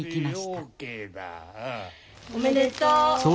おめでとう。